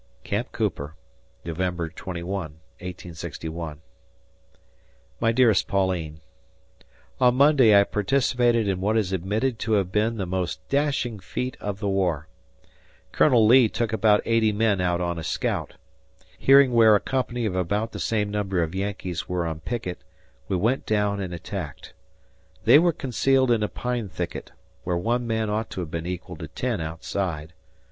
Camp Cooper, November 21, 1861. My dearest Pauline: On Monday I participated in what is admitted to have been the most dashing feat of the war. Col. Lee took about 80 men out on a scout, hearing where a company of about the same number of Yankees were on picket, we went down and attacked. They were concealed in a pine thicket, where one man ought to have been equal to ten outside.